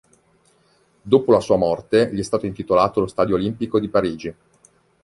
Dopo la sua morte, gli è stato intitolato lo Stadio olimpico di Parigi.